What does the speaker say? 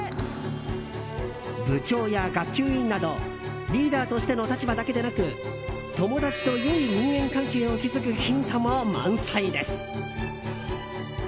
部長や学級委員などリーダーとしての立場だけでなく友達といい人間関係を築くヒントも満載です。